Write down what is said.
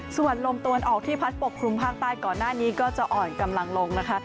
ส่วนลมตะวันออกที่พัดปกคลุมภาคใต้ก่อนหน้านี้ก็จะอ่อนกำลังลงนะคะ